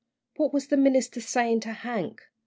What was the minister saying to Hank?